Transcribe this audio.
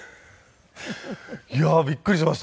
いやーびっくりしました。